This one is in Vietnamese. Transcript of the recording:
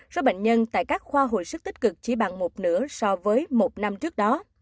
số bệnh nhân tại các khoa hồi sức tích cực chỉ bằng một nửa so với một năm trước đó